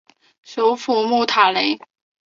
首府穆塔雷。